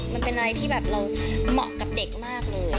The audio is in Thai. มันเป็นอะไรที่เมาะกับเด็กมากเลย